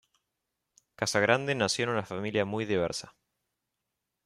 Casagrande nació en una familia muy diversa.